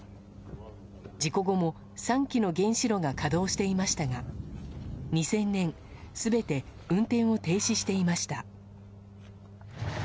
事故後も３基の原子炉が稼働していましたが２０００年全て運転を停止していました。